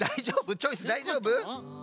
チョイスだいじょうぶ？